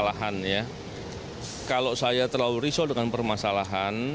kalau saya terlalu risau dengan permasalahan ya kalau saya terlalu risau dengan permasalahan